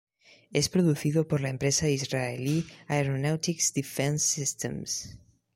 Es producido por la empresa Israeli Aeronautics Defense Systems.